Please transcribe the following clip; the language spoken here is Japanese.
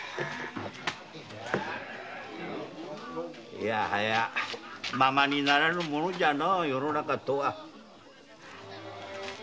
いやはやままにならぬものじゃな世の中とは。